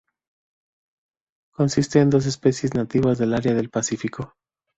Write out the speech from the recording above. Consiste en dos especies nativas del área del Pacífico.